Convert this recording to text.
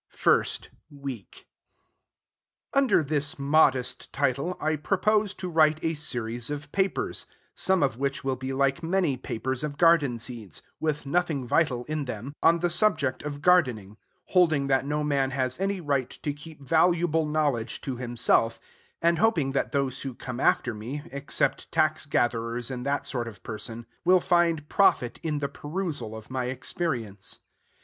FIRST WEEK Under this modest title, I purpose to write a series of papers, some of which will be like many papers of garden seeds, with nothing vital in them, on the subject of gardening; holding that no man has any right to keep valuable knowledge to himself, and hoping that those who come after me, except tax gatherers and that sort of person, will find profit in the perusal of my experience.